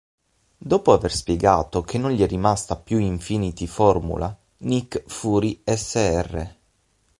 Dopo aver spiegato che non gli è rimasta più Infinity Formula, Nick Fury Sr.